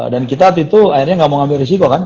dan kita waktu itu akhirnya gak mau ambil risiko kan